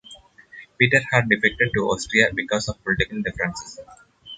Petar had defected to Austria because of political differences.